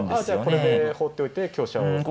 ああじゃあこれで放っておいて香車を打つとか。